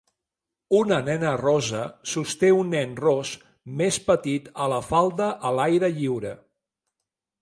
Una nena rossa sosté un nen ros més petit a la falda a l'aire lliure.